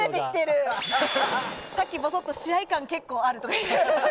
さっきボソッと試合勘、結構あるって。